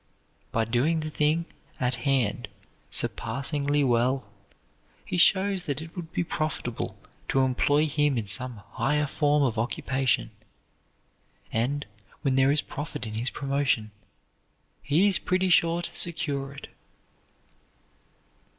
By doing the thing at hand surpassingly well, he shows that it would be profitable to employ him in some higher form of occupation, and, when there is profit in his promotion, he is pretty sure to secure it."